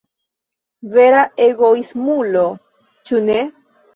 Vera egoismulo, ĉu ne?